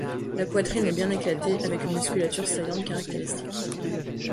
La poitrine est bien éclatée avec une musculature saillante caractéristique.